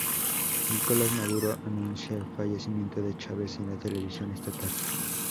Nicolás Maduro anunció el fallecimiento de Chávez en la televisión estatal.